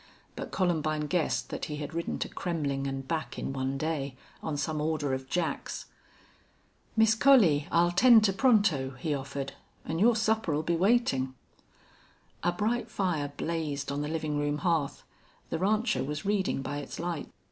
But Columbine guessed that he had ridden to Kremmling and back in one day, on some order of Jack's. "Miss Collie, I'll tend to Pronto," he offered. "An' yore supper'll be waitin'." A bright fire blazed on the living room hearth. The rancher was reading by its light.